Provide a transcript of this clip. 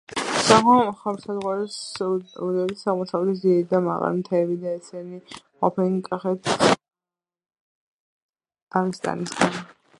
გაღმა მხარსსაზღვრად უძევს აღმოსავლეთის დიდი და მაღალი მთები და ესენი ჰყოფენ კახეთსდაღესტნისაგან.